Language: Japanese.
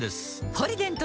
「ポリデント」